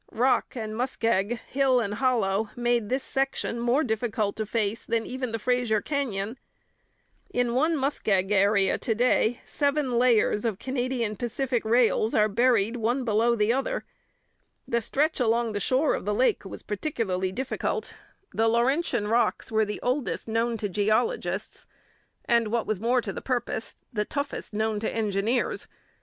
Rock and muskeg, hill and hollow, made this section more difficult to face than even the Fraser Canyon. In one muskeg area to day seven layers of Canadian Pacific rails are buried, one below the other. The stretch along the shore of the lake was particularly difficult. The Laurentian rocks were the oldest known to geologists, and, what was more to the purpose, the toughest known to engineers.